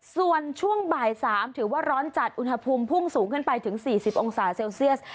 ส่วนช่วงบ่าย๓ถือว่าร้อนจัดอุณหภูมิพุ่งสูงขึ้นไปถึง๔๐องศาเซลเซียส